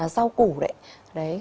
rau củ đấy